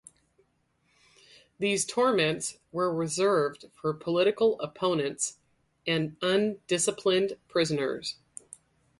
These torments were reserved for political opponents and undisciplined prisoners.